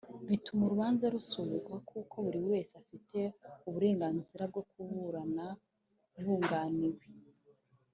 bituma urubanza rusubikwa kuko buri wese afite uburenganzira bwo kuburana yunganiwe